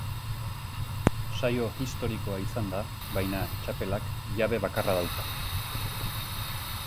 Saio historikoa izan da, baina txapelak jabe bakarra dauka.